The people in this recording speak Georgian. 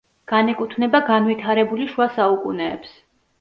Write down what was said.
განეკუთვნება განვითარებული შუა საუკუნეებს.